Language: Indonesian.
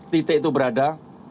tni itu berada